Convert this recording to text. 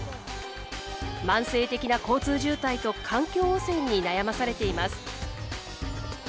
慢性的な交通渋滞と環境汚染に悩まされています。